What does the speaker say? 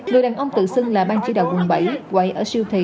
người đàn ông tự xưng là ban chỉ đạo quận bảy quậy ở siêu thị